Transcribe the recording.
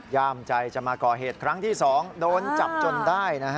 ยามใจจะมาก่อเหตุครั้งที่๒โดนจับจนได้นะฮะ